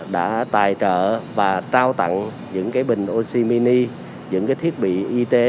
đã tài trợ và trao tặng những bình oxy mini những cái thiết bị y tế